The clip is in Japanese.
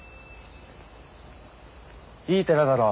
いい寺だろ。